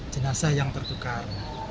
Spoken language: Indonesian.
jenazah yang tertukar